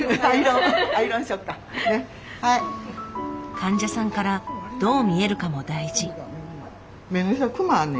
患者さんからどう見えるかも大事。